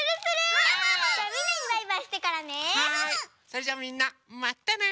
それじゃあみんなまたね！